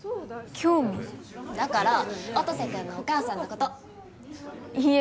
だから音瀬君のお母さんのこといいえ